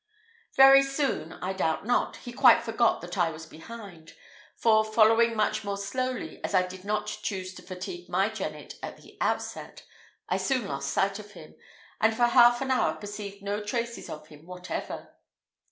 Very soon, I doubt not, he quite forgot that I was behind, for, following much more slowly, as I did not choose to fatigue my jennet at the outset, I soon lost sight of him, and for half an hour perceived no traces of him whatever.